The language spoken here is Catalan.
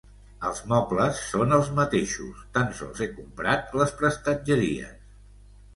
Els mobles són els mateixos, tan sols he comprat les prestatgeries.